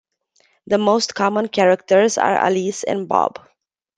The most common characters are Alice and Bob.